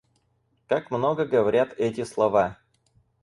Как много говорят эти слова.